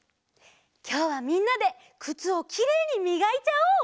きょうはみんなでくつをきれいにみがいちゃおう！